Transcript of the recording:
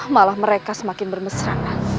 malah mereka semakin bermesra